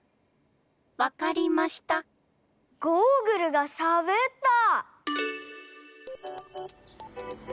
わかりましたゴーグルがしゃべった！？